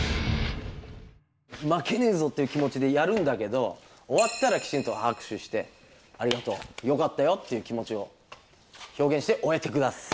まけねえぞっていう気もちでやるんだけどおわったらきちんとあく手してありがとうよかったよっていう気もちを表現しておえてください。